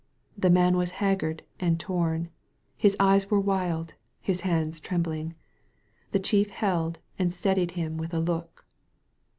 The man was haggard and torn. His eyes were wild, his hands trembling. The Chief held and steadied him with a look.